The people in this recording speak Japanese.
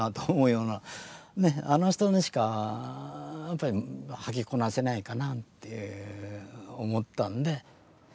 あの人にしかやっぱり履きこなせないかなって思ったんで。